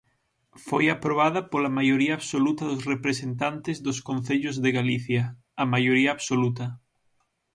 Foi aprobada pola maioría absoluta dos representantes dos concellos de Galicia, a maioría absoluta.